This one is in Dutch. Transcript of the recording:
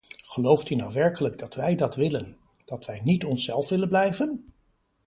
Gelooft u nou werkelijk dat wij dat willen, dat wij niet onszelf willen blijven?